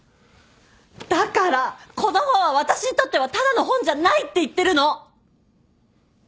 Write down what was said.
だからこの本は私にとってはただの本じゃないって言ってるの！